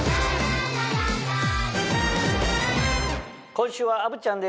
今週は虻ちゃんです